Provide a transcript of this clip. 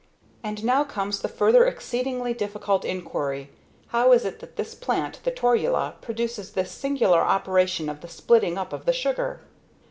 And now comes the further exceedingly difficult inquiry how is it that this plant, the torula, produces this singular operation of the splitting up of the sugar?